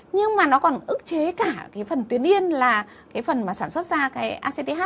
nhưng mà nó còn ức chế cả phần tuyến yên là phần sản xuất ra acth